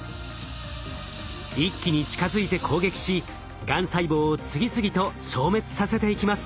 一気に近づいて攻撃しがん細胞を次々と消滅させていきます。